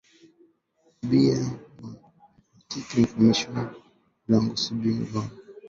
Bya ma informatique lwangu shibiyuwi lwangu